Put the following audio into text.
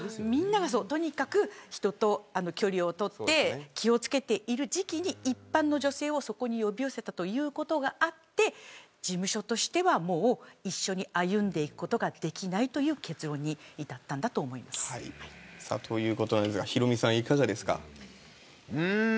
みんなが、とにかく人と距離をとって気を付けている時期に一般の女性をそこに呼び寄せたということがあって事務所としてはもう一緒に歩んでいくことができないという結論にということなんですが